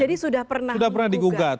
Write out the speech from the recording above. jadi sudah pernah digugat